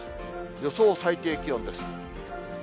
予想最低気温です。